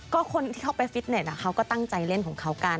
ก็คนที่เขาไปฟิตเน็ตเขาก็ตั้งใจเล่นของเขากัน